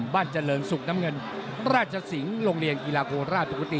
บ้านเจริญศุกร์น้ำเงินราชสิงห์โรงเรียนกีฬาโคราชปกติ